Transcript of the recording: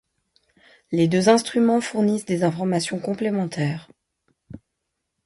Les deux instruments fournissent des informations complémentaires.